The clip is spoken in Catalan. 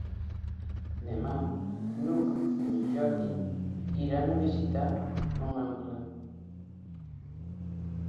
Demà n'Hug i en Jordi iran a visitar mon oncle.